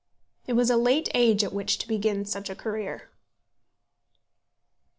It was a late age at which to begin such a career.